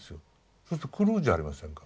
そうすると狂うじゃありませんか。